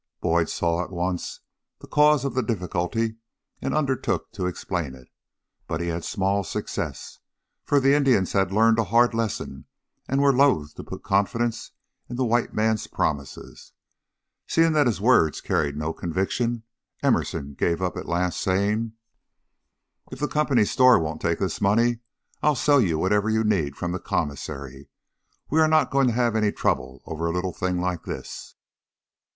Boyd saw at once the cause of the difficulty and undertook to explain it, but he had small success, for the Indians had learned a hard lesson and were loath to put confidence in the white man's promises. Seeing that his words carried no conviction, Emerson gave up at last, saying: "If the Company store won't take this money, I'll sell you whatever you need from the commissary. We are not going to have any trouble over a little thing like this."